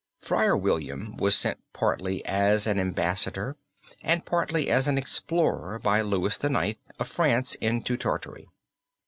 Friar William was sent partly as an ambassador and partly as an explorer by Louis IX. of France into Tartary.